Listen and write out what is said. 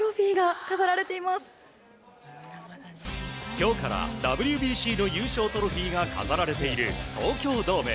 今日からＷＢＣの優勝トロフィーが飾られている東京ドーム。